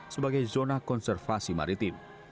sebagai zona konservasi maritim